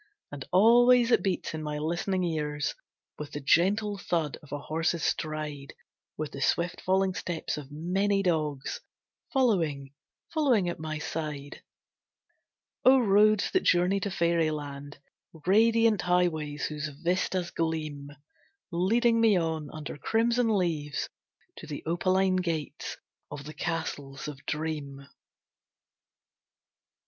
And always it beats in my listening ears With the gentle thud of a horse's stride, With the swift falling steps of many dogs, Following, following at my side. O Roads that journey to fairyland! Radiant highways whose vistas gleam, Leading me on, under crimson leaves, To the opaline gates of the Castles of Dream.